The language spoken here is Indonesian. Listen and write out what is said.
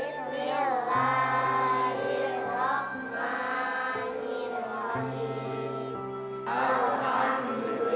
sinta hanya pengen mohon ni badan si tante